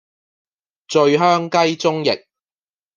醉香雞中翼